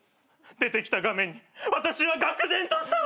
出てきた画面に私はがく然としたわ。